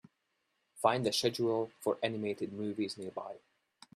Find the schedule for animated movies nearby